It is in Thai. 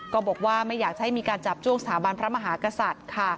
บอกว่าไม่อยากจะให้มีการจับจ้วงสถาบันพระมหากษัตริย์ค่ะ